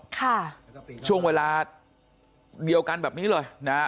ค่ะช่วงเวลาเดียวกันแบบนี้เลยนะฮะ